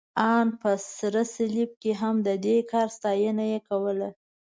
ان په سره صلیب کې هم، د دې کار ستاینه یې کوله.